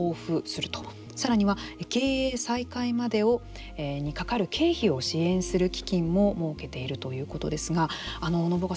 さらには、経営再開までにかかる経費を支援する基金も設けているということですが信岡さん